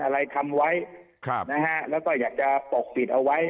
อะไรทำไว้แล้วก็อยากจะปกปิดเอาไว้